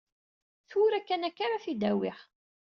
Tura kan akka ara t-id-awiɣ.